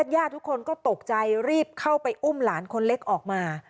ญาติทุกคนก็ตกใจรีบเข้าไปอุ้มหลานคนเล็กออกมา